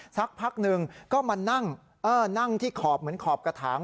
สักพักหนึ่งก็มานั่งนั่งที่ขอบเหมือนขอบกระถาง